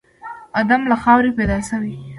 ادم له خاورې پيدا شوی و.